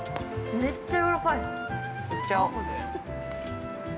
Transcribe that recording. めっちゃやわらかい！